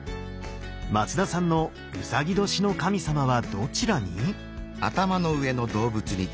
松田さんの卯年の神様はどちらに？